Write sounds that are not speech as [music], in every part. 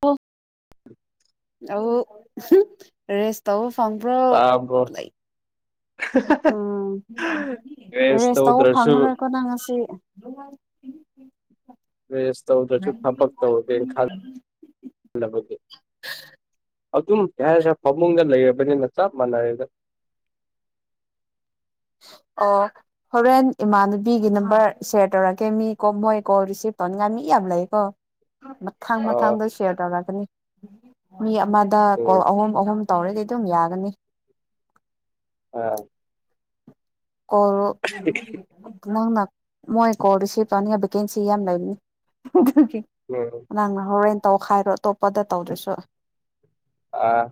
ꯑꯣ ꯑ ꯔꯦꯁ ꯇꯧꯕ ꯐꯪꯕ꯭ꯔꯣ ꯇꯥꯕ꯭ꯔꯣ ꯎꯝ ꯔꯦꯁ ꯔꯦꯁꯇꯧꯕ ꯇꯧꯗ꯭ꯔꯁꯨ ꯐꯪꯉꯔꯦꯏ ꯀꯅꯥ ꯑꯁꯤ ꯔꯦꯁ ꯇꯧꯗꯔꯁꯨ ꯊꯕꯛ ꯇꯧꯗꯦ ꯈꯪꯗꯕꯒꯤ ꯑꯗꯨꯝ ꯀꯩ ꯍꯥꯏꯔꯗ‌ ꯐꯃꯨꯡꯗ ꯂꯩꯔꯕꯅꯤꯅ ꯆꯞ ꯃꯥꯟꯅꯔꯦꯗ ꯑꯣ ꯍꯣꯔꯦꯟ ꯏꯃꯥꯟꯅꯕꯤꯒꯤ ꯅꯝꯕꯔ ꯁꯦꯌꯔ ꯇꯧꯔꯛꯀꯦ ꯃꯤ ꯀꯣ ꯃꯣꯏ ꯀꯣꯜ ꯔꯤꯁꯤꯞ ꯇꯧꯅꯤꯡꯉꯥꯏ ꯃꯤ ꯌꯥꯝ ꯂꯩꯀꯣ ꯃꯊꯥꯡ ꯑꯥ ꯃꯊꯥꯡꯗ ꯁꯤꯌꯔ ꯇꯧꯔꯛꯀꯅꯤ ꯃꯤ ꯑꯃꯗ ꯀꯣꯜ ꯎꯝ ꯑꯍꯨꯝ ꯑꯍꯨꯝ ꯇꯧꯔꯗꯤ ꯑꯗꯨꯝ ꯌꯥꯒꯅꯤ ꯑꯥ [unintelligible] ꯅꯪꯅ ꯃꯣꯏ ꯀꯣꯜ ꯔꯤꯁꯤꯚ ꯇꯧꯅꯤ ꯚꯦꯀꯦꯟꯁꯤ ꯌꯥꯝ ꯂꯩꯕꯅꯤ ꯑꯗꯨꯒꯤ ꯎꯝ ꯅꯪꯅ ꯍꯣꯔꯦꯟ ꯇꯧꯈꯥꯏꯔꯣ ꯑꯇꯣꯞꯄꯗ ꯇꯧꯗ꯭ꯔꯁꯨ ꯑꯥ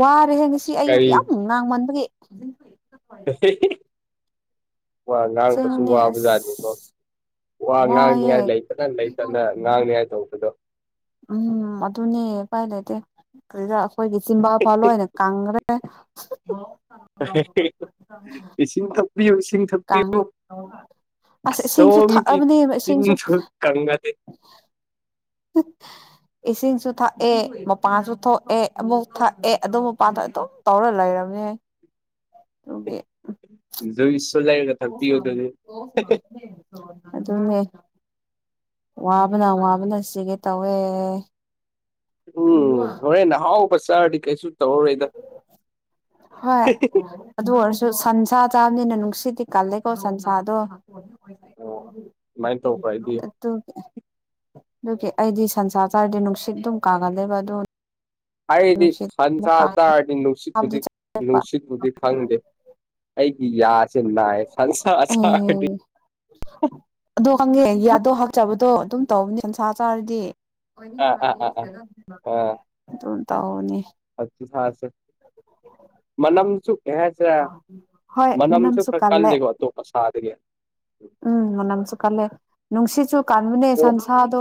ꯋꯥꯔꯦꯍꯦ ꯉꯁꯤ ꯑꯁ ꯑꯩꯌ ꯀꯔꯤ ꯌꯥꯝ ꯉꯥꯡꯃꯟꯕꯒꯤ ꯋꯥ ꯉꯥꯡꯕꯁꯨ‌ ꯑꯁꯦꯡꯕꯅꯦ ꯋꯥꯕꯖꯥꯠꯅꯤꯀꯣ ꯑꯁ ꯋꯥ ꯉꯥꯡꯅꯤꯡꯉꯥꯏ ꯋꯥꯏꯑꯦ ꯂꯩꯇꯅ ꯂꯩꯇꯅ ꯉꯥꯡꯅꯤꯡꯉꯥꯏ ꯇꯧꯕꯗꯣ ꯎꯝ ꯑꯗꯨꯅꯦ ꯏꯄꯥꯏ ꯂꯩꯇꯦ ꯀꯔꯤꯔ ꯑꯩꯈꯣꯏꯒꯤ ꯆꯤꯝꯕꯥꯐꯥꯜ ꯂꯣꯏꯅ ꯀꯪꯈꯔꯦ ꯏꯁꯤꯡ ꯊꯛꯄꯤꯌꯨ ꯏꯁꯤꯡ ꯀꯪ ꯊꯛꯄꯤꯌꯨ ꯑꯁ ꯏꯁꯤꯡꯁꯨ ꯑꯁꯣꯝꯒꯤ ꯊꯛꯑꯕꯅꯦ ꯆꯤꯟ ꯏꯁꯤꯡꯁꯨ ꯁꯨ ꯀꯪꯉꯗꯤ [unintelligible] ꯏꯁꯤꯡꯁꯨ ꯊꯛꯑꯦ ꯃꯄꯥꯟꯁꯨ ꯊꯣꯛꯑꯦ ꯑꯃꯨꯛ ꯊꯛꯑꯦ ꯑꯗꯨ ꯃꯄꯥꯟꯗ ꯑꯗꯨꯝ ꯇꯧꯔ ꯂꯩꯔꯝꯃꯦ [unintelligible] ꯖꯨꯏꯁ ꯁꯨ ꯂꯩꯔꯒ ꯊꯛꯄꯤꯌꯣ ꯑꯗꯨꯗꯤ ꯑꯗꯨꯅꯦ ꯋꯥꯕꯅ ꯋꯥꯕꯅ ꯁꯤꯒꯦ ꯇꯧꯋꯦ ꯎꯝ ꯍꯣꯔꯦꯟ ꯅꯍꯥꯎꯕ ꯆꯥꯔꯗꯤ ꯀꯩꯁꯨ ꯇꯧꯔꯔꯣꯏꯗ ꯍꯣꯏ ꯑꯗꯨ ꯑꯣꯏꯔꯁꯨ ꯁꯟꯁꯥ ꯆꯥꯕꯅꯤꯅ ꯅꯨꯡꯁꯤꯠꯇꯤ ꯀꯜꯂꯦꯀꯣ ꯁꯟꯁꯥꯗꯣ ꯑꯣ ꯑꯃꯥꯏ ꯇꯧꯕ꯭ꯔꯥ ꯑꯩꯗꯤ ꯗꯨꯒꯤ ꯑꯩꯗꯤ ꯁꯟꯁꯥ ꯆꯥꯔꯗꯤ ꯅꯨꯡꯁꯤꯠ ꯑꯗꯨꯝ ꯀꯥꯒꯜꯂꯦꯕ ꯑꯗꯨ ꯍꯥꯏꯗꯤ ꯅꯨꯡꯁꯤꯠ ꯑꯃꯨꯛ ꯍꯟꯁꯥ ꯇꯥꯔꯗꯤ ꯀꯥꯕꯗꯤ ꯅꯨꯡꯁꯤꯠꯄꯨꯗꯤ ꯆꯥꯕ ꯅꯨꯡꯁꯤꯠꯄꯨꯗꯤ ꯈꯪꯗꯦ ꯑꯩꯒꯤ ꯌꯥꯁꯦꯅꯥꯏ ꯁꯟꯁꯥ ꯆꯔꯗꯤ ꯑꯗꯨ ꯈꯪꯉꯦ ꯌꯥꯗꯣ ꯍꯞꯆꯕꯗꯣ ꯗꯨꯝ ꯇꯧꯕꯅꯦ ꯁꯟꯁꯥ ꯆꯥꯔꯗꯤ ꯑꯥ ꯑꯥ ꯑꯥ ꯑꯥ ꯑꯥ ꯗꯨꯝ ꯇꯥꯎꯅꯦ ꯃꯅꯝꯁꯨ ꯑꯦ ꯍꯣꯏ ꯃꯅꯝꯁꯨ ꯈꯔ ꯀꯜꯂꯦ ꯀꯜꯂꯤꯀꯣ ꯑꯇꯣꯞ ꯁꯥꯗꯒꯤ ꯑꯣꯛ ꯎꯝ ꯃꯅꯝꯁꯨ ꯀꯜꯂꯦ ꯅꯨꯡꯁꯤꯠꯁꯨ ꯀꯟꯕꯅꯦ ꯁꯟꯁꯥꯗꯣ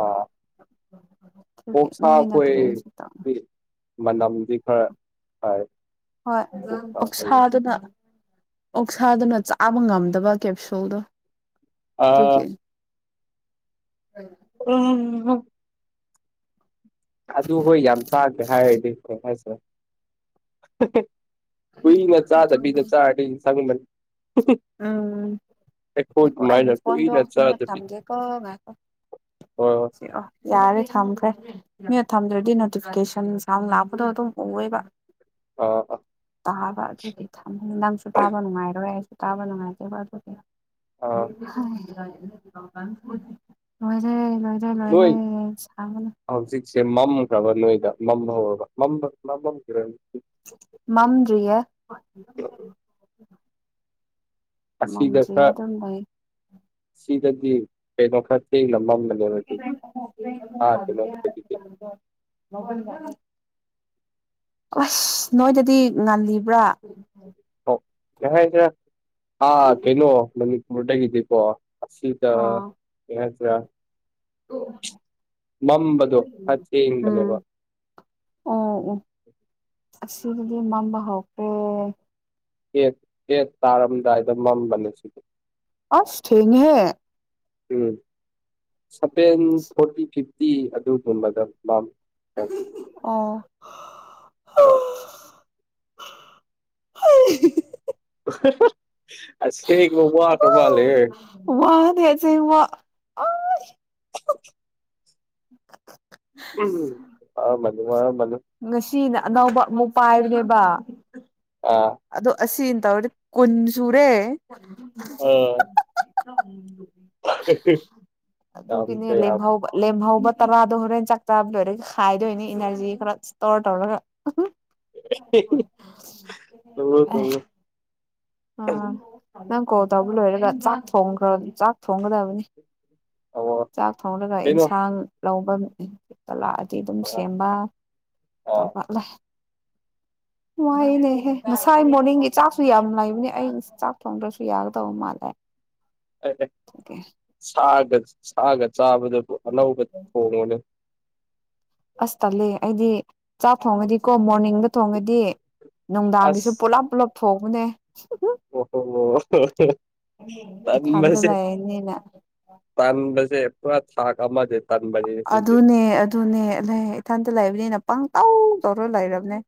ꯑꯥ ꯑꯗꯨꯒꯤ ꯑꯣꯛꯁꯥ ꯅꯣꯏꯅ ꯈꯣꯏ ꯀꯔꯤꯁꯨ ꯇꯧ ꯗꯤ ꯃꯅꯝꯗꯤ ꯈꯔ ꯐꯩ ꯍꯣꯏ ꯑꯣꯛꯁꯥ ꯈꯣꯏꯗꯤ ꯑꯣꯛꯁꯥꯗꯨꯅ ꯑꯣꯛꯁꯥꯗꯨꯅ ꯆꯥꯕ ꯉꯝꯗꯕ ꯀꯦꯞꯁꯨꯜꯗꯣ ꯑꯥ ꯑꯗꯨꯒꯤ ꯑ ꯍꯝ ꯑꯗꯨ ꯍꯣꯏ ꯌꯥꯝ ꯆꯥꯗꯦ ꯍꯥꯏꯔꯗꯤ ꯀꯩ ꯍꯥꯏꯁꯤꯔꯥ ꯍꯦ ꯍꯦ ꯀꯨꯏꯅ ꯆꯥꯗꯕꯤꯗ ꯆꯥꯔꯗꯤ ꯆꯡꯕꯅꯦ ꯎꯝ ꯑꯩꯈꯣꯏ ꯉꯥꯈꯣ ꯑꯗꯨꯃꯥꯏꯅ ꯑꯩꯒꯤ ꯐꯣꯟꯗꯣ ꯀꯨꯏꯅ ꯃꯤꯎꯠ ꯊꯝꯒꯦꯀꯣ ꯉꯥꯏꯈꯣ ꯍꯣꯏ ꯍ ꯌꯥꯔꯦ ꯊꯝꯈꯔꯦ ꯃꯤꯎꯠ ꯊꯝꯗ꯭ꯔꯗꯤ ꯅꯣꯇꯤꯐꯤꯀꯦꯁꯟ ꯌꯝ ꯂꯥꯛꯄꯗꯣ ꯑꯗꯨꯝ ꯎꯋꯦꯕ ꯑꯥ ꯇꯥꯕ ꯑꯗꯨꯗꯤ ꯊꯝꯃꯦ ꯅꯪꯁꯨ ꯇꯥꯕ ꯅꯨꯡꯉꯥꯏꯔꯣꯏ ꯑꯩꯁꯨ ꯇꯥꯕ ꯅꯨꯡꯉꯥꯏꯇꯦꯕ ꯑꯗꯨꯒꯤ ꯑꯥ ꯍꯥꯏ ꯂꯣꯏꯖꯔꯦ ꯂꯣꯏ ꯅꯣꯏ ꯂꯣꯏꯔꯦ ꯁꯥꯕꯅ ꯍꯧꯖꯤꯛꯁꯦ ꯃꯝꯈ꯭ꯔꯕ ꯅꯣꯏꯗ ꯃꯝꯕ ꯍꯧꯔꯕ ꯃꯝꯕ ꯃꯝꯃꯝꯈꯤꯔꯣꯏ ꯃꯝꯗꯔ꯭ꯤꯌꯦ ꯑꯁꯤꯗ ꯃꯝꯗ꯭ꯔꯤꯌꯦ ꯈꯔ ꯑꯗꯨꯝ ꯂꯩ ꯁꯤꯗꯗꯤ ꯀꯩꯅꯣ ꯈꯔ ꯊꯦꯡꯅ ꯃꯝꯕꯅꯤ [unintelligible] [inaudible] [inaudible] ꯑꯁ ꯅꯣꯏꯗꯗꯤ ꯉꯜꯂꯤꯕ꯭ꯔꯥ ꯀꯩ ꯍꯥꯏꯁꯤꯔ ꯑꯥ ꯀꯩꯅꯣ ꯃꯅꯤꯄꯨꯔꯗꯒꯤꯗꯤꯀꯣ ꯑꯁꯤꯗ ꯑꯥ ꯀꯩ ꯍꯥꯏꯁꯤꯔꯥ ꯃꯝꯕꯗꯣ ꯑꯊꯦꯡꯕꯅꯦꯕ ꯎꯝ ꯑꯣ ꯑꯣ ꯑꯁꯤꯗꯗꯤ ꯃꯝꯕ ꯍꯧꯈꯔ꯭ꯦ꯫ ꯇꯦꯠ ꯇꯦꯠ ꯇꯥꯔꯝꯗꯥꯏꯗ ꯃꯝꯕꯅꯦ ꯁꯤꯗ ꯑꯁ ꯊꯦꯡꯉꯦꯍꯦ ꯎꯝ ꯁꯚꯦꯟ ꯐꯣꯔꯇꯤ ꯐꯤꯐꯇꯤ ꯑꯗꯨꯒꯨꯝꯕꯗ ꯄꯥꯝ ꯑ ꯑꯣ ꯑꯥ [unintelligible] ꯍꯥꯏ ꯍꯤ ꯍꯤ ꯍꯤ ꯎ ꯍꯥ ꯍꯥ ꯋꯥ ꯋꯥꯅꯦ ꯑꯁꯦꯡꯕꯥ ꯎꯝ ꯋꯥꯔꯃꯅꯤ ꯋꯥꯔꯝꯃꯅꯤ ꯉꯁꯤꯅ ꯑꯅꯧꯕ ꯑꯃꯨꯛ ꯄꯥꯏꯕꯅꯦꯕ꯫ ꯑꯥ ꯑꯗꯣ ꯑꯁꯤꯅ ꯇꯧꯔꯗꯤ ꯀꯨꯟ ꯁꯨꯔꯦ꯫ ꯑ ꯍꯥ ꯍꯥ ꯍꯥ ꯌꯥꯝ ꯑꯗꯨꯒꯤꯅꯦ ꯀꯩ ꯍꯥꯏꯕ ꯂꯦꯝꯍꯧꯕ ꯂꯦꯝꯍꯧꯕ ꯇꯔꯥꯗꯣ ꯍꯣꯔꯦꯟ ꯆꯥꯛ ꯆꯥꯕ ꯂꯣꯏꯔꯒ ꯈꯥꯏꯗꯣꯏꯅꯤ ꯏꯅꯔꯖꯤ ꯈꯔ ꯏꯁꯇꯣꯔ ꯇꯧꯔꯒ ꯇꯧꯔꯣ ꯑꯦ ꯇꯧꯔꯣ꯫ ꯑꯥ ꯅꯪ ꯀꯣꯜ ꯇꯧꯕ ꯂꯣꯏꯔꯒ ꯆꯥꯛ ꯊꯣꯡꯈ꯭ꯔ ꯆꯥꯛ ꯊꯣꯡꯒꯗꯕꯅꯤ꯫ ꯑꯣ ꯆꯥꯛ ꯊꯣꯡꯂꯒ ꯀꯩꯅꯣ ꯏꯟꯁꯥꯡ ꯂꯧꯕ ꯇꯥ ꯂꯥꯛ ꯇꯤ ꯗꯨꯝ ꯑꯥ ꯁꯦꯝꯕ ꯑꯥ ꯇꯧꯈꯠꯂꯦ ꯋꯥꯥꯏꯅꯦꯍꯦ ꯉꯁꯥꯏ ꯃꯣꯔꯅꯤꯡꯒꯤ ꯆꯥꯛꯁꯨ ꯌꯥꯝ ꯂꯩ ꯑꯩ ꯆꯥꯛ ꯊꯣꯡꯗ꯭ꯔꯁꯨ ꯌꯥꯒꯗꯧꯕ ꯃꯥꯜꯂꯦ ꯑꯩ ꯁꯥꯒ ꯁꯥꯒ ꯆꯥꯕꯗꯕꯨ ꯑꯅꯧꯕ ꯊꯣꯡꯉꫭꯅꯦ ꯑꯁ ꯇꯜꯂꯦ ꯑꯩꯗꯤ ꯆꯥꯛ ꯊꯣꯡꯉꯗꯤꯀꯣ ꯃꯣꯔꯅꯤꯡꯗ ꯊꯣꯡꯉꯗꯤ ꯅꯨꯡꯗꯥꯡꯒꯤꯁꯨ ꯄꯨꯂꯞ ꯄꯨꯂꯞ ꯊꯣꯡꯕꯅꯦ ꯑꯣ ꯑꫭ ꯏꯊꯟꯗ ꯂꯩꯔꯅꯤꯅ ꯇꯟꯃꯁꯦ ꯇꯟꯕꯁꯦ ꯄꯨ ꯊꯥꯛ ꯑꯃꯗꯅꯦ ꯑꯗꯨꯅꯦ ꯑꯗꯨꯅꯦ ꯏꯊꯟꯇ ꯂꯩꯕꯅꯤꯅ ꯄꯪꯇꯧ ꯇꯧꯔ ꯂꯩꯔꯕꯅꯦ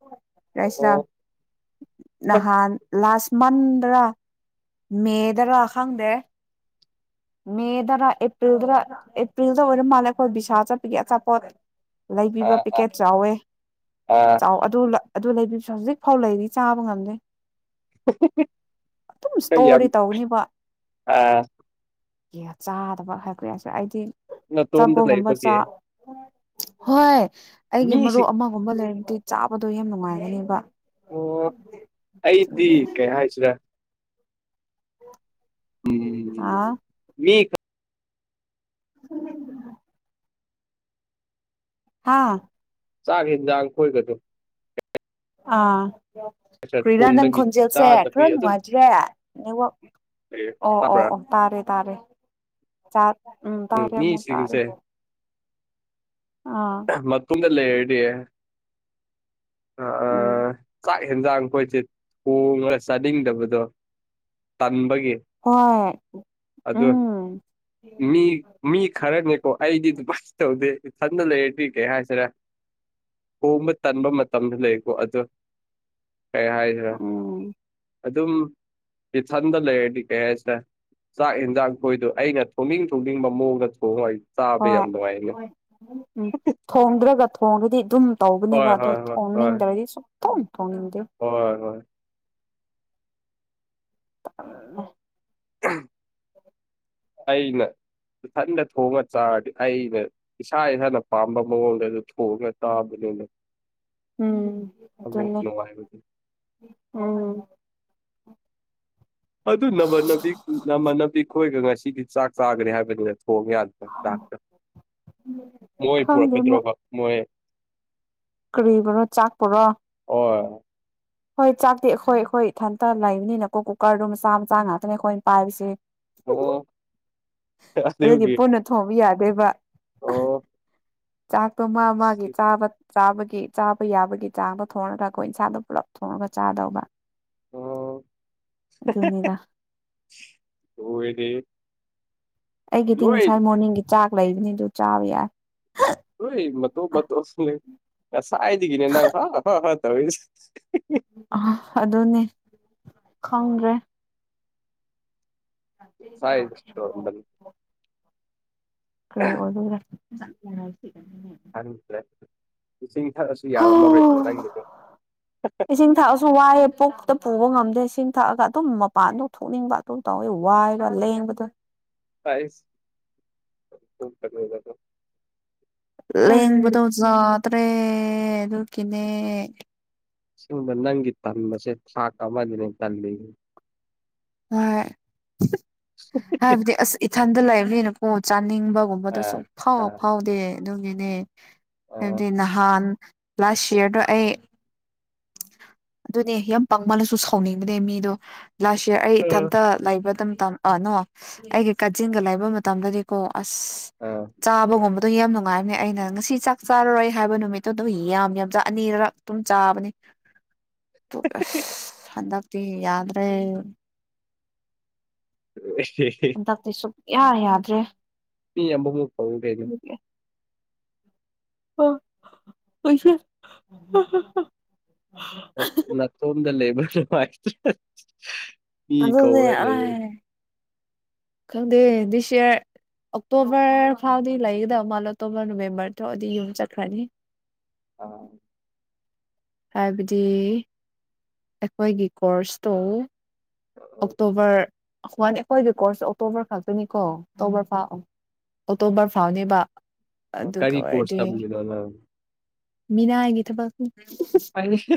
ꯑꯣ [unintelligible] ꯅꯍꯥꯟ ꯂꯥꯁ ꯃꯟꯗ꯭ꯔ ꯃꯦꯗꯔꯥ ꯈꯪꯗꯦ ꯃꯦꯗꯔ ꯑꯦꯄ꯭ꯔꯤꯜꯗꯔ ꯑꯦꯄ꯭ꯔꯤꯗ ꯑꫭꯏꯔ ꯃꯂꯦ ꯑꯩꯈꯣꯏ ꯕꯤꯁꯥꯜ ꯆꯠꯄꯒꯤ ꯑꯆꯥꯄꯣꯠ ꯂꯩꯕꯤꯕ ꯑꯥ ꯄꯦꯛꯀꯦꯠ ꯆꯥꯎꯋꯦ ꯑꯥ ꯆꯥꯎ ꯑꯗꯨ ꯑꯗꯨ ꯂꯩꯕꯤꯁꯨ ꯍꯧꯖꯤꯛꯐꯥꯎ ꯂꯩꯔꯤ ꯆꯥꯕ ꯉꯝꯗꯦ ꯑꯗꯨꯝ ꯀꯌꯥꯝ ꯏꯁꯇꯣꯔꯗꯤ ꯇꯧꯅꯤꯕ ꯑꯥ ꯆꯥꯗꯕ ꯍꯥꯏꯕ ꯍꯥꯏꯁꯨ ꯑꯩꯗꯤ ꯅꯇꯣꯝꯗ ꯆꯥꯄꯣꯒꯨꯝꯕ ꯂꯩꯕꯒꯤ ꯆ ꯍꯣꯏ ꯑꯩꯒꯤ ꯃꯤꯁꯤ ꯃꯔꯨꯞ ꯑꯃꯒꯨꯝꯕ ꯂꯩꯔꯝꯗꯤ ꯆꯥꯕꯗꯣ ꯌꯥꯝ ꯅꯨꯡꯉꯥꯏꯒꯅꯦꯕ ꯑꯣ ꯑꯩꯗꯤ ꯀꯩ ꯍꯥꯏꯁꯤꯔ ꯍꯥ ꯎꯝ ꯃꯤ ꯍ [inaudible] ꯍꯥꯥ ꯆꯥꯛ ꯏꯟꯖꯥꯡ ꯀꯣꯏꯒꯗꯨ ꯑ ꯀ꯭ꯔꯤꯔ ꯅꯪ ꯊꯣꯡꯗꯒꯤ ꯈꯣꯟꯟꯖꯦꯜꯁꯦ ꯆꯥꯗꯕꯤ ꯈꯔ ꯑꯗꯨꯝ ꯅꯨꯡꯉꯥꯏ ꯆꯦ ꯅꯦꯠꯋꯥꯛ ꯂꯩ ꯑꯣ ꯑꯣ ꯇꯥꯕ꯭ꯔꯥ ꯑꯣ ꯇꯥꯔꯦ ꯇꯥꯔꯦ ꯆ ꯎꯝ ꯇꯥꯔꯦ ꯑꯃꯨꯛ ꯇꯥꯔꯦ ꯑ ꯃꯇꯨꯡꯗ ꯂꯩꯔꯗꯤ ꯑ ꯎꯝ ꯆꯥꯛ ꯌꯦꯟꯖꯥꯡ ꯑꯩꯈꯣꯏꯁꯦ ꯊꯣꯡꯉꯒ ꯆꯥꯅꯤꯡꯗꯕꯗꯣ ꯇꯟꯕꯒꯤ ꯍꯣꯏ ꯑꯗꯣ ꯎꯝ ꯃꯤ ꯃꯤ ꯈꯔꯅꯤꯀꯣ ꯑꯩꯗꯤ ꯑꯗꯨꯃꯥꯏ ꯇꯧꯗꯦ ꯏꯊꯟꯗ ꯂꯩꯔꯗꯤ ꯀ ꯀꯩ ꯍꯥꯏꯁꯤꯔꯦ ꯍꯣꯡꯕ ꯇꯟꯕ ꯃꯇꯝꯁꯨ ꯂꯩꯀꯣ ꯑꯗꯨ ꯀꯩ ꯍꯥꯏꯈ꯭ꯔꯦ ꯎꯝ ꯑꯗꯨꯝ ꯔꯤꯐꯟꯗꯣ ꯂꯩꯔꯗꯤ ꯀꯩ ꯍꯥꯏꯁꯤꯔ ꯆꯥꯛ ꯌꯦꯟꯖꯥꯡ ꯈꯣꯏꯗꯣ ꯑꯩꯅ ꯊꯣꯡꯅꯤꯡ ꯊꯣꯡꯅꯤꯡꯕ ꯃꯑꯣꯡꯗ ꯊꯣꯡꯉ ꯑꯩ ꯆꯥꯕ ꯍꯣꯏ ꯌꯥꯝ ꯅꯨꯡꯉꯥꯏꯅꯦ ꯍ ꯎꯝ ꯊꯣꯡꯗ꯭ꯔꯒ ꯊꯣꯡꯒꯗꯤ ꯑꯗꯨꯝ ꯇꯧꯕꯅꯦꯕ ꯍꯣꯏ ꯑꯗꯣ ꯍꯣꯏ ꯍꯣꯏ ꯍꯣꯏ ꯊꯣꯡꯅꯤꯡꯗ꯭ꯔꯗꯤ ꯁꯨꯡꯛꯇꯣꯡ ꯊꯣꯡꯅꯤꯡꯗꯦ ꯍꯣꯏ ꯍꯣꯏ [unintelligible] ꯑꯩꯅ ꯏꯊꯟꯗ ꯊꯣꯡꯉ ꯆꯥꯔꯗꯤ ꯑꯩꯒ ꯏꯁꯥ ꯏꯁꯥꯅ ꯄꯥꯝꯕ ꯃꯑꯣꯡꯗ ꯑꯗꯨ ꯊꯣꯡꯉꯒ ꯆꯥꯕꯅꯤꯅ ꯎꯝ ꯑꯃꯨꯛ ꯅꯨꯡꯉꯥꯏꯕꯗꯤ ꯆꯨꯝꯃꯤ ꯎꯝ ꯑꯗꯨ ꯅꯃ ꯅꯕꯤ ꯅꯃ ꯅꯕꯤ ꯈꯣꯏꯒ ꯉꯁꯤꯗꯤ ꯆꯥꯛ ꯆꯥꯈ꯭ꯔꯦ ꯍꯥꯏꯕꯅꯤꯅ ꯊꯣꯡ ꯌꯥꯅꯤ ꯃꯣꯏ ꯈꯪꯗꯦ ꯄꯨꯔꯛꯀꯗ꯭ꯔꯣꯕ ꯃꯣꯏ ꯀꯔꯤꯕꯣꯅꯣ ꯆꯥꯛꯄꯔꯣ ꯍꯣꯏ ꯍꯣꯏ ꯆꯥꯛꯇꯤ ꯑꯩꯈꯣꯏ ꯑꯩꯈꯣꯏ ꯏꯊꯟꯇ ꯂꯩꯕꯅꯤꯅꯀꯣ ꯀꯨꯀꯔꯗꯨ ꯃꯆꯥ ꯃꯆꯥ ꯉꯥꯛꯇꯅꯦ ꯑꯩꯈꯣꯏꯅ ꯄꯥꯏꯕꯁꯦ ꯑꯣ ꯑꯗꯨꯗꯤ ꯑꯗꯨꯒꯤ ꯄꯨꯟꯅ ꯊꯣꯡꯕ ꯌꯥꯗꯣꯏꯕ ꯑꯣ ꯆꯥꯛꯇꯣ ꯃꯥ ꯃꯥꯒꯤ ꯆꯥꯕ ꯆꯥꯕꯒꯤ ꯆꯥꯕ ꯌꯥꯕꯒꯤ ꯆꯥꯡꯗꯣ ꯊꯣꯡꯉꯒ ꯑꯩꯈꯣꯏ ꯏꯟꯁꯥꯗꯣ ꯄꯨꯂꯞ ꯊꯣꯡꯉꯒ ꯆꯥꯗꯧꯕ ꯑꯣ ꯑꯗꯨꯅꯤꯗ ꯂꯣꯏꯔꯦꯍꯦ ꯑꯩꯒꯤꯗꯤ ꯉꯁꯥꯏ ꯃꯣꯔꯅꯤꯡꯒꯤ ꯆꯥꯛ ꯂꯩꯕꯅꯤ ꯑꯗꯨ ꯆꯥꯕ ꯌꯥꯏ ꯍꯣꯏ ꯃꯇꯣ ꯃꯇꯣ ꯁꯨꯝ ꯂꯩ ꯉꯁꯥꯏꯗꯒꯤꯅꯦ ꯅꯪ ꯍꯥ ꯍ ꯍꯥ ꯇꯧꯏꯁꯦ ꯑ ꯑꯗꯨꯅꯦ ꯈꯪꯗ꯭ꯔꯦ ꯁꯥꯏ [unintelligible] ꯀꯔꯤ ꯑꯣꯏꯗꯣꯏꯔꯥ ꯈꯪꯗ꯭ꯔꯦ ꯏꯁꯤꯡ ꯊꯛꯑꯁꯨ ꯍꯣ ꯌꯥꯔꯝꯃꯔꯣꯏꯅꯦ ꯅꯪꯒꯤꯗꯣ ꯏꯁꯤꯡ ꯊꯛꯑꯁꯨ ꯋꯥꯏꯑꯦ ꯄꯨꯛꯇ ꯄꯨꯕ ꯉꯝꯗꯦ ꯆꯁꯤꯡ ꯊꯛꯑꯒ ꯑꯗꯨꯝ ꯃꯄꯥꯟꯗ ꯊꯣꯛꯅꯤꯡꯕ ꯑꯗꯨ ꯇꯧꯋꯦ ꯋꯥꯏꯔ ꯂꯦꯡꯕꯗꯣ ꯀꯥꯏ [unintelligible] ꯂꯦꯡꯕꯗꯣ ꯖꯥꯗ꯭ꯔꯦ ꯑꯗꯨꯀꯤꯅꯦ ꯁꯨꯝꯕ ꯅꯪꯒꯤ ꯇꯟꯕꯁꯦ ꯊꯥꯛ ꯑꯃꯅꯤꯅꯦ ꯇꯜ ꯍꯣꯏ ꯍꯥꯏꯕꯗꯤ ꯑꯁ ꯏꯊꯟꯗ ꯂꯩꯕꯅꯤꯅꯀꯣ ꯆꯥꯅꯤꯡꯕꯒꯨꯝꯕꯗꯣ ꯑꯥ ꯁꯨꯝ ꯐꯥꯎ ꯑꯥ ꯐꯥꯎꯗꯦ ꯑꯗꯨꯒꯤꯅꯦ ꯑꯥ ꯍꯥꯏꯕꯗꯤ ꯅꯍꯥꯟ ꯂꯥꯁ ꯌꯔꯗꯣ ꯑꯩ ꯑꯗꯨꯅꯦ ꯌꯥꯝ ꯄꯥꯡꯃꯜꯅꯁꯨ ꯁꯥꯎꯅꯤꯡꯕꯅꯦ ꯃꯤꯗꯣ ꯂꯥꯁ ꯌꯌꯥꯔ ꯑꯩ ꯑꯥ ꯏꯊꯟꯇ ꯂꯩꯕꯗ ꯑ ꯅꯣ ꯑꯩꯒꯤ ꯀꯥꯖꯤꯟꯒ ꯂꯩꯕ ꯃꯇꯝꯗꯗꯤ ꯀꯣ ꯑꯁ ꯑꯥ ꯆꯥꯕꯒꯨꯝꯕ ꯑꯗꯨ ꯌꯥꯝ ꯅꯨꯡꯉꯥꯏꯕꯅꯦ ꯑꯩꯅ ꯉꯁꯤ ꯆꯥꯛ ꯆꯥꯔꯔꯣꯏ ꯍꯥꯏꯕ ꯅꯨꯃꯤꯠꯇꯣ ꯑꯗꯨ ꯌꯥꯝ ꯌꯥꯝꯖ ꯑꯅꯤꯔꯛ ꯑꯗꯨꯝ ꯆꯥꯕꯅꯦ ꯑꯁ ꯍꯟꯗꯛꯗꯤ ꯌꯥꯗ꯭ꯔꯦ [unintelligible] ꯍꯟꯗꯛꯇꯤ ꯁꯨꯛꯌꯥ ꯌꯥꯗ꯭ꯔꯦ ꯃꯤ ꯌꯥꯝꯕꯒꯨꯝ ꯑꯣ ꯄꯩꯁꯦ ꯅꯅꯥꯇꯣꯝꯗ ꯂꯩꯕ [unintelligible] ꯃꯤ ꯀꯧ ꯑꯗꯨꯅꯦ ꯂꯩ ꯑꯥꯏ ꯈꯪꯗꯦ ꯗꯤꯁꯌꯥꯔ ꯑꯣꯛꯇꯣꯕꯔ ꯐꯥꯎꯗꯤ ꯂꯩꯒꯗꯕ ꯃꯥꯜꯂꯦ ꯑꯣꯛꯇꯣꯕꯔ ꯅꯣꯕꯦꯝꯕꯔ ꯊꯣꯑꯗꯤ ꯌꯨꯝ ꯆꯠꯈ꯭ꯔꯅꯤ ꯑ ꯍꯥꯏꯕꯗꯤ ꯑꯩꯈꯣꯏꯒꯤ ꯀꯣꯔꯁꯇꯣ ꯑꯣꯛꯇꯣꯕꯔ ꯑꯈꯋꯥꯅꯤ ꯑꯩꯈ‌ꯣꯏꯒꯤ ꯀꯣꯔꯁ ꯑꯣꯛꯇꯣꯕꯔ ꯈꯛꯇꯅꯤꯀꯣ ꯇꯣꯕꯔ ꯐꯥꯎ ꯑ‌ꯣ ꯑꯣꯛꯇꯣꯕꯔ ꯐꯥꯎꯅꯦꯕ ꯑꯥ ꯑꯗꯨꯒ ꯀꯔꯤ ꯀꯣꯔꯁ ꯑꯣꯏꯔꯗꯤ ꯇꯝꯃꯤꯅꯣ ꯅꯪ ꯃꯤꯅꯥꯏꯒꯤ ꯊꯕꯛꯅꯤ ꯑꯥꯏꯂꯤꯁ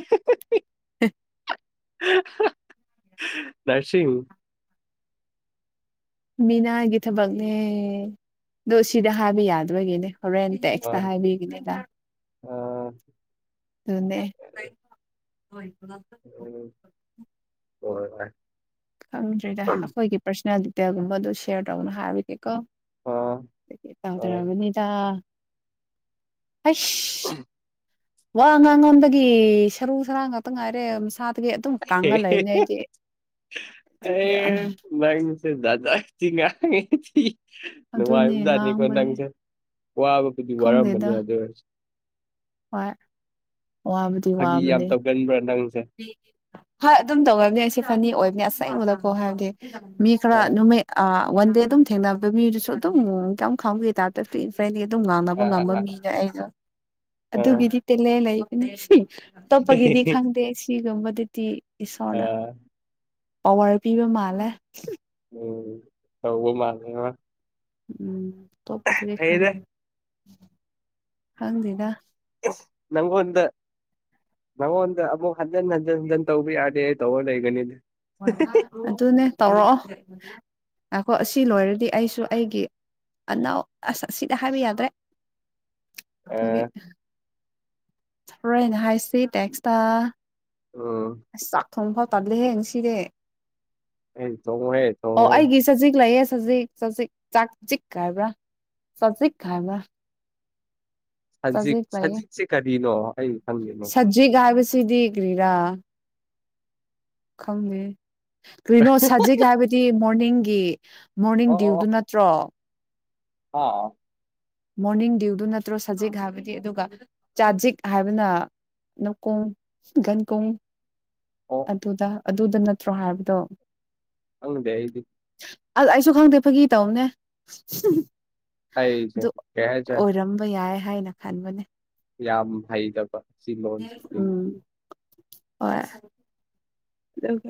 ꯅꯔꯁꯤꯌꯨ ꯃꯤꯅꯥꯒꯤ ꯊꯕꯛꯅꯦ ꯗꯨ ꯁꯤꯗ ꯍꯥꯏꯕ ꯌꯥꯗꯕꯒꯤꯅꯦ ꯍꯣꯔꯦꯟ ꯇꯦꯛꯁꯇ ꯑꯥ ꯍꯥꯏꯕꯤ ꯒꯤꯅ‌ꯦꯗ ꯑꯥ ꯗꯨꯅꯦ [unintelligible] ꯑ‌ꯣꯏ ꯍꯣꯏ ꯈꯪꯗ꯭ꯔ‌ꯦꯗꯥ ꯑꯈꯣꯏꯒꯤ ꯄꯥꯔꯁꯅꯦꯜ ꯗꯤꯇꯦꯜꯒꯨꯝꯕ ꯑꯗꯨ ꯁꯦꯌꯔ ꯇꯧꯒꯅꯣ ꯍꯥꯏꯕ ꯒꯤꯀ‌ꯣ ꯑꯥ [unintelligible] ꯇꯥꯎꯊꯔꯝ ꯕ ꯅꯤꯗ ꯑꯥꯏꯁ [unintelligible] ꯋꯥ ꯉꯥꯡ ꯃꯟꯕꯒꯤ ꯁꯔꯨ ꯁꯔꯥꯡ ꯉꯥꯛꯇ ꯉꯥꯏꯔꯦ ꯎꯟꯁꯥꯠ ꯇꯨꯒꯤ ꯑꯗꯨꯝ ꯀꯪꯡ ꯂ‌ꯩꯃꯝꯅ‌ꯦ ꯑꯩꯗꯤ ꯑꯗꯨꯒꯤ ꯅꯪ ꯁ‌‌ꯦ ꯖꯥꯠ ꯖꯥꯠꯇꯤ ꯉꯥꯡꯉꯤ [unintelligible] ꯑꯗꯨꯅꯦ ꯅꯨꯡꯉꯥꯏꯕ ꯖꯥꯠꯅꯤꯀ‌ꯣ ꯉꯥꯡꯕꯅꯦ ꯅꯪꯖ‌ꯦ ꯋꯥꯕꯕꯨꯗꯤ ꯋꯥꯔꯝꯃꯅꯦ ꯈꯪꯗꯦꯗ ꯑꯗꯨ ꯑꯣꯏꯔꯁꯨ ꯍꯣꯏ ꯋꯥꯕꯨꯗꯤ ꯐꯥꯒꯤ ꯌꯥꯝ ꯋꯥꯕꯅꯦ ꯇꯧꯒꯟꯕ꯭ꯔꯥ ꯅꯪꯁꯦ ꯍꯣꯏ ꯑꯗꯨꯝ ꯇꯧꯔꯝꯅꯤ ꯑꯩꯁꯦ ꯐꯅꯤ ꯑꯣꯏꯕꯅ‌ꯦ ꯑꯁꯦꯡꯕꯗ ꯀꯣ ꯍꯥꯏꯕꯗꯤ ꯃꯤ ꯈꯔ ꯑ ꯅꯨꯃꯤꯠ ꯑ ꯋꯥꯟ ꯗꯦ ꯑꯗꯨꯝ ꯊꯦꯡꯅꯕ ꯃꯤꯗꯨꯁꯨ ꯑꯗꯨꯝ ꯀ‌ꯝ ꯈꯪꯕꯤ ꯇꯥꯏꯄꯇ ꯐꯤꯁ ꯑꯩꯗꯤ ꯑꯗꯨꯝ ꯉꯥꯡꯅꯕ ꯑ ꯑ ꯉꯝꯕ ꯑ ꯃꯤꯅꯦ ꯑꯩꯖꯨ ꯑ ꯑꯗꯨꯒꯤꯗꯤ ꯇꯦꯜꯂꯦ ꯂꯩꯕꯅꯦ ꯇꯣꯞ ꯄꯒꯤꯗꯤ ꯈꯪꯗꯦ ꯁꯤꯒꯨꯝꯕ ꯗꯨꯗꯤ ꯑ ꯏꯁꯣꯔꯅ ꯄꯋꯥꯔ ꯄꯤꯕ ꯃꯥꯜꯂꯦ ꯎꯝ ꯇꯧꯕꯥ ꯃꯥꯜꯂ‌ꯦ ꯉ‌ꯣ ꯎꯝ ꯇꯣꯞꯄꯗꯗꯤ ꯐꯩꯗ ꯈꯪꯗꯦ ꯈꯪꯗꯦꯅ ꯑ‌ꯦ ꯅꯪ ꯉ‌ꯣꯟꯗ ꯅꯉꯣꯟꯗ ꯑꯃꯨꯛ ꯍꯟꯖꯟ ꯍꯟꯖꯟ ꯍꯟꯖꯟ ꯇꯧꯕ ꯌꯥꯗꯦ ꯇꯧꯔꯥ ꯂꯩꯒꯅꯤꯗꯤ ꯑꯗꯨꯅꯦ ꯇꯧꯔꯑꯣ ꯑꯥꯈ‌‌ꯣ ꯑꯁꯤ ꯂꯣꯏꯔꯗꯤ ꯑꯩꯁꯨ ꯑꯩꯒꯤ ꯑꯅꯧ ꯑꯁ ꯑꯁꯤꯗ ꯍꯥꯏꯕ ꯌꯥꯗ꯭ꯔꯦ ꯑ ꯗꯨꯒꯤ ꯍꯣꯔꯦꯟ ꯍꯥꯏꯁꯤ ꯇꯦꯛꯁꯇ ꯎꯝ ꯑꯁ ꯆꯥꯛ ꯊꯣꯡ ꯐꯥꯎ ꯇꯜꯂꯦꯍꯦ ꯉꯁꯤꯗꯤ ꯌ‌ꯦꯟ ꯊꯣꯡꯉꯣꯍꯦ ꯑꯣ ꯊꯣꯡꯉꯣꯍꯦ ꯑꯩꯒꯤ ꯆꯖꯤꯛ ꯂꯩꯌꯦ ꯁꯖꯤꯛ ꯆꯖꯤꯛ ꯆꯥꯛ ꯖꯤꯛ ꯀ ꯍꯥꯏꯕ꯭ꯔꯥ ꯆꯥꯖꯤꯛꯈ ꯍꯥꯏꯕ꯭ꯔꯥ ꯁꯖꯤꯛ ꯆꯖꯤꯛ ꯂꯩꯌꯦ ꯁꯖꯤꯛꯁꯦ ꯀꯔꯤꯅꯣ ꯑꯩ ꯈꯪꯗꯦꯅꯦ ꯖꯤꯛ ꯍꯥꯏꯕ ꯁꯤꯗꯤ ꯀꯔꯤꯔꯥ ꯈꯪꯗꯦ ꯀꯔꯤꯅꯣ ꯁꯖꯤꯛ ꯍꯥꯏꯕꯗꯤ ꯃꯣꯔꯅꯤꯡꯒꯤ ꯃꯣꯔꯅꯤꯡ ꯑꯣ ꯑꯣ ꯗ꯭ꯌꯨꯏꯗꯨ ꯅꯠꯇ꯭ꯔꯣ [unintelligible] ꯃꯣꯔꯅꯤꯡ ꯗ꯭ꯌꯨꯏꯗꯨ ꯅꯠꯇ꯭ꯔꯣ ꯁꯖꯤꯛ ꯍꯥꯏꯕꯗꯤ ꯑꯗꯨꯒ ꯆꯥꯖꯤꯛ ꯍꯥꯏꯕꯅ ꯅꯥꯎꯀꯣꯡ ꯒꯟꯀꯣꯡ ꯑꯣ ꯑꯗꯨꯗ ꯑꯗꯨꯗ ꯅꯠꯇ꯭ꯔꯣ ꯍꯥꯏꯕꯗꯣ ꯈꯪꯗꯦ ꯑꯩꯗꯤ ꯑꯜ ꯑꯩꯁꯨ ꯈꯪꯗꯦ ꯐꯥꯒꯤ ꯇꯧꯕꯅꯦ ꯑꯩꯖꯨ ꯑꯗꯨ ꯑꯣꯏꯔꯝꯕ ꯌꯥꯏ ꯍꯥꯏꯅ ꯈꯟꯕꯅꯦ ꯌꯥꯝ ꯍꯩꯗꯀꯣ ꯎꯝ ꯍꯣꯏ ꯑꯗꯨꯒꯤ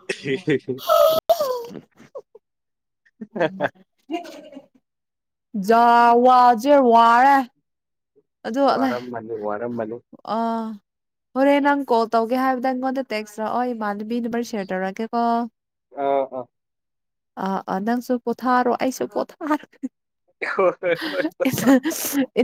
[unintelligible] ꯖꯋꯥꯖꯔ ꯋꯥꯔꯦ ꯑꯗꯨ ꯋꯥꯔꯝꯃꯅꯤ ꯋꯥꯔꯝꯃꯅꯤ ꯑꯥ ꯍꯣꯔꯦꯟ ꯅꯪ ꯀꯣꯜ ꯇꯧꯒꯦ ꯍꯥꯏꯕꯗ ꯑꯩꯉꯣꯟꯗ ꯇꯦꯛꯁꯔꯛꯑꯣ ꯏꯃꯥꯟꯅꯕꯤ ꯅꯝꯔ ꯁꯦꯌꯔ ꯇꯧꯔꯛꯀꯦ ꯀꯣ ꯑꯥ ꯑ ꯑꯥ ꯑꯥ ꯅꯪꯁꯨ ꯄꯣꯊꯥꯔꯣ ꯑꯩꯁꯨ ꯄꯣꯊꯥꯔ ꯍꯣꯏ ꯍꯣꯏ [unintelligible]